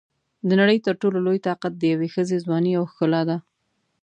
د نړۍ تر ټولو لوی طاقت د یوې ښځې ځواني او ښکلا ده.